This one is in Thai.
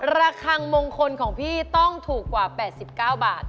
ระคังมงคลของพี่ต้องถูกกว่า๘๙บาท